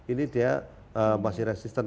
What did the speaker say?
ini dia masih resisten